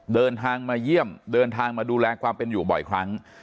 เดินทางมาเยี่ยมเดินทางมาดูแลความเป็นอยู่บ่อยครั้ง